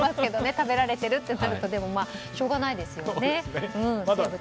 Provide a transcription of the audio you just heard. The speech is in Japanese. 食べられているとなるとしょうがないですよね。